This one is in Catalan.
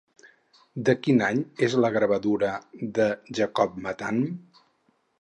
De quin any és la gravadura de Jacob Matham?